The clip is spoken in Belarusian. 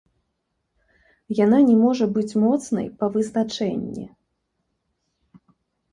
Яна не можа быць моцнай па вызначэнні.